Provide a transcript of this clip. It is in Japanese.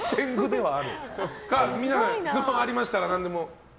皆さん質問ありましたら何でも。